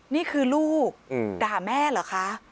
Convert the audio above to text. นี่คือลูกด่าแม่เหรอคะ